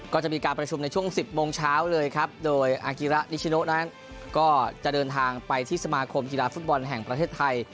ก็จะมีการประชุมในช่วง๑๐โมงเช้าเลยครับโดยอากิระนิชโนนั้นก็จะเดินทางไปที่สมาคมกีฬาฟุตบอลแห่งประเทศไทย